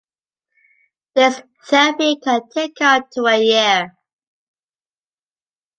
This therapy can take up to a year.